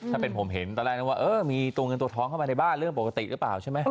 ถ้าเป็นผมเห็นตอนแรกนึกว่าเออมีตัวเงินตัวทองเข้ามาในบ้านเรื่องปกติหรือเปล่าใช่ไหม